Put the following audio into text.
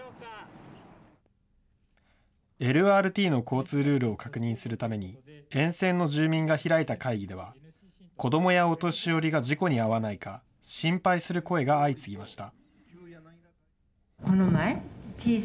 ＬＲＴの交通ルールを確認するために、沿線の住民が開いた会議では、子どもやお年寄りが事故に遭わないか心配する声が相次ぎました。